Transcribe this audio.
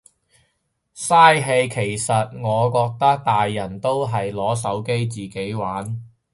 嘥氣其實我覺得，大人自己都係攞手機自己玩。